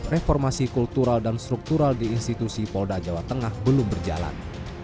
reformasi kultural dan struktural di institusi polda jawa tengah belum berjalan